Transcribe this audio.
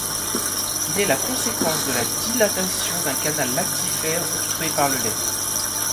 Il est la conséquence de la dilatation d'un canal lactifère obstrué par le lait.